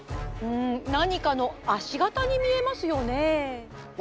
ん何かの足型に見えますよね。